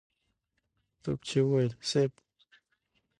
توپچي وويل: صېب!